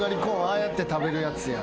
あやって食べるやつや。